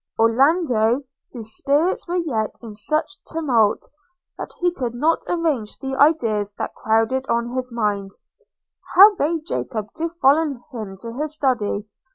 – Orlando, whose spirits were yet in such tumult, that he could not arrange the ideas that crowded on his mind, now bade Jacob to follow him into his study.